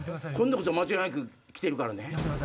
今度こそ間違いなく来てるからね。